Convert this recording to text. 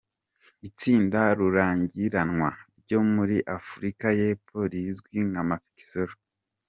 Itsinda rurangiranwa ryo muri Afurika y’Epfo rizwi nka Mafikizolo